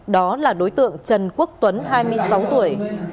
đó là đối tượng trần quốc tuấn hai mươi sáu tuổi